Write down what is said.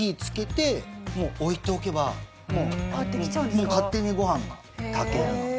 もう勝手にごはんが炊けるので。